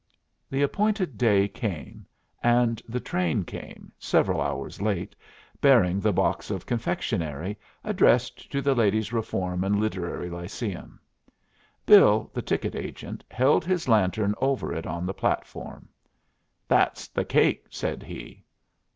The appointed day came; and the train came, several hours late, bearing the box of confectionery, addressed to the Ladies' Reform and Literary Lyceum. Bill, the ticket agent, held his lantern over it on the platform. "That's the cake," said he.